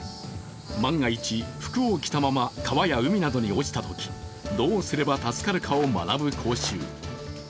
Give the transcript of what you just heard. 万が一、服を着たまま川や海などに落ちたとき、どうすれば助かるかを学ぶ講習。